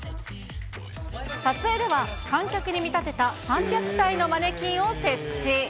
撮影では、観客に見立てた３００体のマネキンを設置。